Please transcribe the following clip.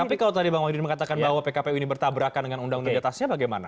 tapi kalau tadi bang wahyudin mengatakan bahwa pkpu ini bertabrakan dengan undang undang diatasnya bagaimana